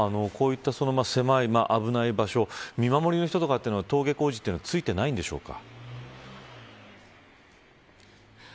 こういった狭い危ない場所には見守りの人は登下校時ついていないんでしょうか。